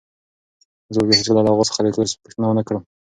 زه به بیا هیڅکله له اغا څخه د کورس پوښتنه ونه کړم.